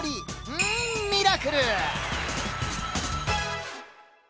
うんミラクル！